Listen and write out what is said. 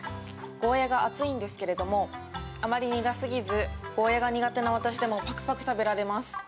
ゴーヤが厚いんですけれども、あまり苦すぎず、ゴーヤが苦手な私でもぱくぱく食べられます。